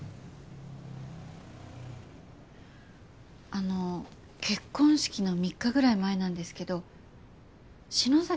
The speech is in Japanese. あの結婚式の３日ぐらい前なんですけど篠崎